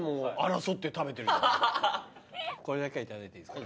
これだけはいただいていいっすか。